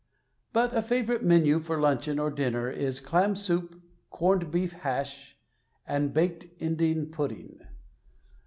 But a favorite menu for luncheon or dinner is clam soup, corned beef hash, and baked Indian pudding.